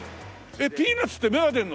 えっピーナツって芽が出るの？